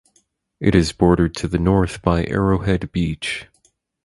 It is bordered to the north by Arrowhead Beach.